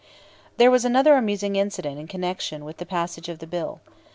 There was another amusing incident in connection with the passage of the bill.